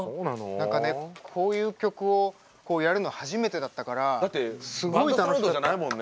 何かねこういう曲をやるのは初めてだったからすごい楽しかった。